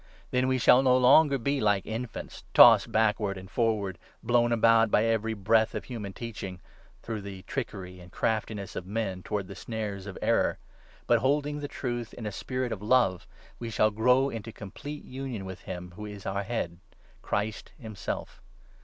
Then we shall no longer be like infants, tossed 14 backward and forward, blown about by every breath of human teaching, through the trickery and the craftiness of men, towards the snares of error ; but holding the truth in a spirit 15 of love, we shall grow into complete union with him who is our Head — Christ himself.